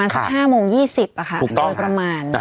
ประมาณสัก๕โมง๒๐อ่ะค่ะโดยประมาณ